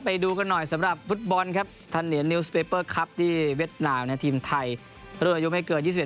พระจาน์เคยบอกว่าเราติดทีมชาติพ่อแม่ไม่ได้ดีใจ